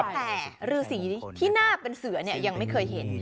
แต่รือสีที่น่าเป็นเสือเนี่ยยังไม่เคยเห็น